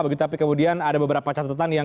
begitu tapi kemudian ada beberapa catatan yang